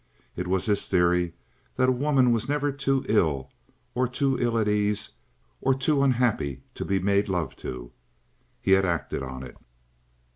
It was his theory that a woman was never too ill, or too ill at ease, or too unhappy to be made love to. He had acted on it.